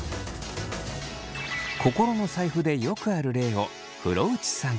心の財布でよくある例を風呂内さんから。